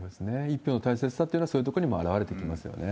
一票の大切さっていうのは、そういうところにも表れてきますよね。